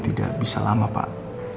tidak bisa lama pak